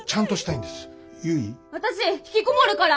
・私ひきこもるから！